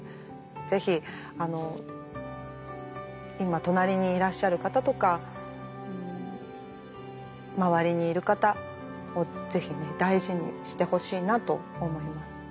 ぜひ今隣にいらっしゃる方とか周りにいる方をぜひね大事にしてほしいなと思います。